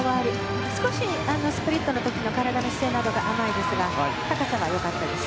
少しスプリットの時の体の姿勢が甘いですが高さは良かったです。